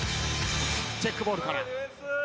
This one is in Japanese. チェックボールから。